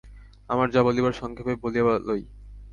আমার যা বলিবার সংক্ষেপে বলিয়া লই।